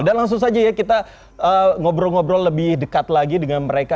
dan langsung saja ya kita ngobrol ngobrol lebih dekat lagi dengan mereka